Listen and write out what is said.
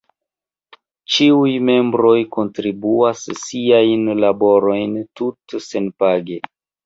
Ĉiuj membroj kontribuas siajn laborojn tute senpage.